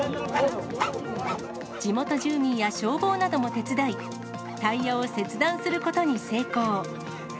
地元住民や消防なども手伝い、タイヤを切断することに成功。